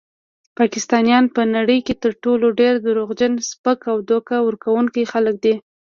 پاکستانیان په نړۍ کې تر ټولو ډیر دروغجن، سپک او دوکه ورکونکي خلک دي.